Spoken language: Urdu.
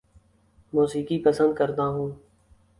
موسیقی پسند کرتا ہوں